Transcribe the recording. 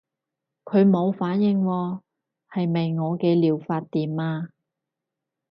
佢冇反應喎，係咪我嘅療法掂啊？